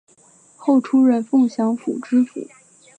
后出任凤翔府知府。